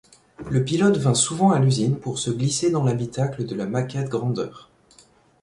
Le pilote vint souvent à l'usine pour se glisser dans l'habitacle de la maquette-grandeur.